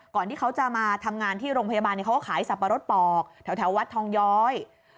ก่อนที่เขาจะมาทำงานที่โรงพยาบาลเขาก็ขายสับปะรดปอกแถววัดทองย้อย